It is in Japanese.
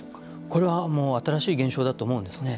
これはもう新しい現象だと思うんですね。